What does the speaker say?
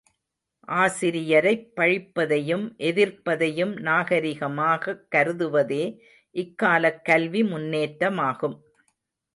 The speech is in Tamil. ஆசிரியரைப் பழிப்பதையும் எதிர்ப்பதையும் நாகரிகமாகக் கருதுவதே இக்காலக் கல்வி முன்னேற்றமாகும்.